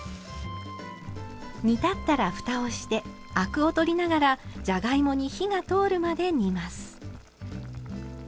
煮立ったらふたをしてアクを取りながらじゃがいもに火が通るまで煮ます。